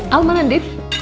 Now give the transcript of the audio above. aku mau ngedit